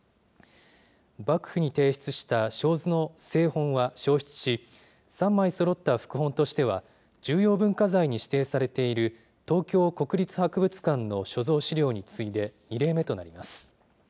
幕府に提出した小図の正本は焼失し、３枚そろった副本としては、重要文化財に指定されている、東京国立博物館の所蔵資料に次いで、２例目となります。